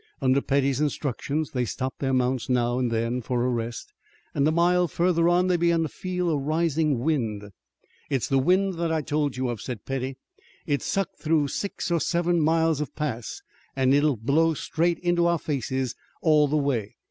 Under Petty's instructions they stopped their mounts now and then for a rest, and a mile further on they began to feel a rising wind. "It's the wind that I told you of," said Petty. "It's sucked through six or seven miles of pass, an' it will blow straight in our faces all the way.